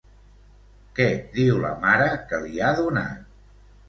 Què diu la mare que li ha donat?